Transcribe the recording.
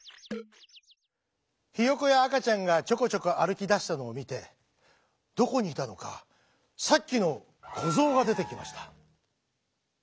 ひよこやあかちゃんがちょこちょこあるきだしたのをみてどこにいたのかさっきのこぞうがでてきました。